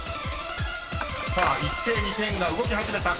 ［さあ一斉にペンが動き始めた。